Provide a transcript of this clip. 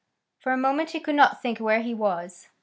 For a moment he could not think where he was.